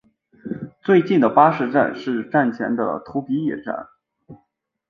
最近的巴士站是站前的土笔野站。